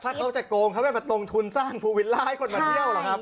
ถ้าเขาจะโกงเขาไม่มาตรงทุนสร้างภูวิลล่าให้คนมาเที่ยวเหรอครับ